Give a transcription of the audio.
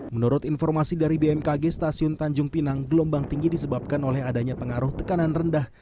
menurut informasi dari bmkg stasiun tanjung pinang gelombang tinggi disebabkan oleh adanya pengaruh tekanan rendah